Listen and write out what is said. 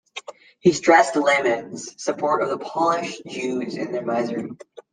He stressed Lehmann's support of the Polish Jews in their misery.